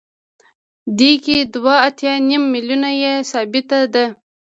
دې کې دوه اتیا نیم میلیونه یې ثابته ده